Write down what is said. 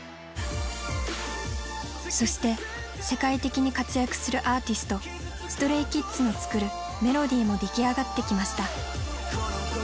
そして世界的に活躍するアーティストＳｔｒａｙＫｉｄｓの作るメロディーも出来上がってきました。